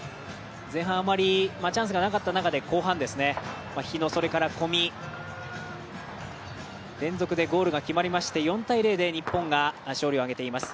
前半あまりチャンスがなかった中で後半日野、それから小見、連続でゴールが決まりまして４−０で日本が勝利を挙げています。